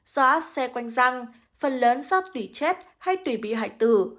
do áp xe quanh răng phần lớn xót tùy chết hay tùy bị hại tử